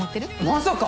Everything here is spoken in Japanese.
まさか。